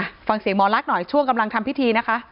ฟังเสียงหมอลักษณ์หน่อยช่วงกำลังทำพิธีนะคะ